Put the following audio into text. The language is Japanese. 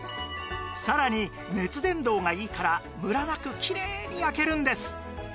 さらに熱伝導がいいからムラなくきれいに焼けるんです